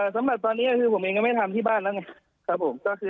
สำหรับตอนนี้ผมเองก็ไม่ทำที่บ้านแล้วไง